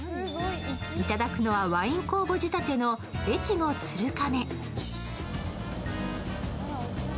頂くのは、ワイン酵母仕立ての越後鶴亀。